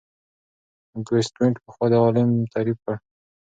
اګوست کُنت پخوا دا علم تعریف کړ.